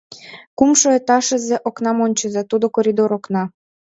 — Кумшо этажысе окнам ончыза, тудо коридор окна.